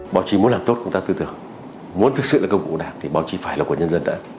báo chí muốn làm tốt chúng ta tư tưởng muốn thực sự là công cụ đạt thì báo chí phải là của nhân dân